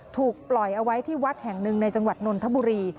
ถูกปล่อยเอาไว้ที่วัดแห่งหนึ่งในจังหวัดนนทบุรี